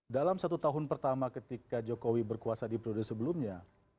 dalam satu tahun pertama ketika jokowi berkuasa di periode sebelumnya